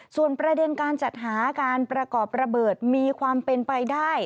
ส่วนประเด็นการจัดหาการประกอบระเบิดมีความเป็นไปได้